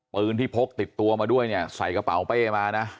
ปืนที่พกติดตัวมาด้วยเนี่ยใส่กระเป๋าเป้มานะ